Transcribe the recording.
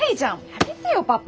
やめてよパパ！